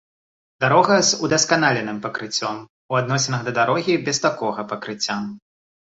дарога з удасканаленым пакрыццём у адносінах да дарогі без такога пакрыцця